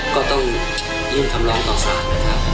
ก็ต้องยื่นคำร้องต่อสารนะครับ